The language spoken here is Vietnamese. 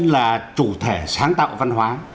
là chủ thể sáng tạo văn hóa